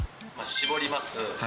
搾ります。